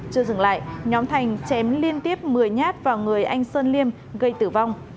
chưa dừng lại nhóm thành chém liên tiếp một mươi nhát vào người anh sơn liêm gây tử vong